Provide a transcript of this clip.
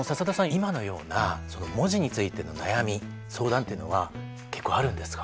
今のような文字についての悩み相談っていうのは結構あるんですか？